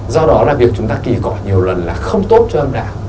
do đó là việc chúng ta kỳ cọ nhiều lần là không tốt cho âm đạo